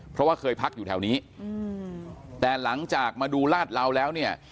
เพราะว่าเคยพักอยู่แถวนี้แต่หลังจากมาดูลาดเหลาแล้วเนี่ย